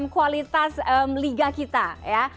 kualitas liga kita ya